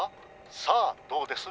さあどうです？